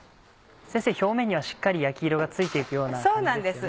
表面にはしっかり焼き色がついて行くような感じですよね。